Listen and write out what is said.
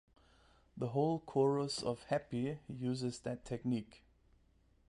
The whole chorus of "Happy?" uses that technique.